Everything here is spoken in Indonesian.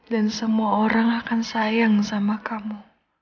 semua orang akan sayang sama kamu